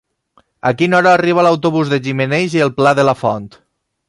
A quina hora arriba l'autobús de Gimenells i el Pla de la Font?